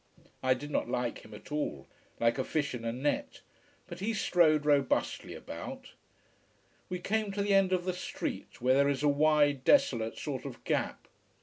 I did not like him at all, like a fish in a net. But he strode robustly about. We came to the end of the street, where there is a wide, desolate sort of gap.